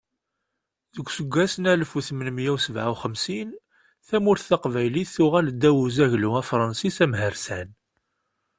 Deg useggas n alef u tmenmiyya u sebɛa u xemsin, tamurt taqbaylit tuɣal ddaw n uzaglu afṛensis amhersan.